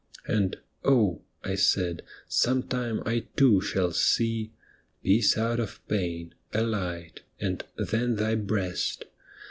And ' Oh,' I said, ' some time I too shall see " Peace out of pain,'' " a light,'" and ''then thy breast.'"